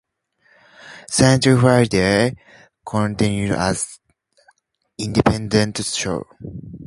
"Science Friday" continued as an independent show.